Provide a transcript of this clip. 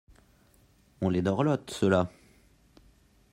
On les dorlote, ceux-là !…